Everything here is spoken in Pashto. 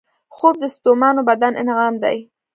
خوب د ستومانو بدن انعام دی